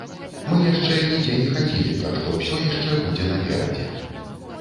Мы яшчэ нідзе не хадзілі, так што ўсё яшчэ будзе наперадзе.